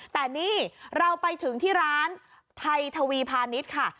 แต่นี่เราไปถึงที่ร้านไทยทวีพาณิชย์ค่ะ